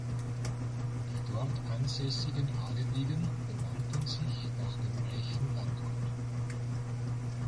Die dort ansässigen Adeligen benannten sich nach dem reichen Landgut.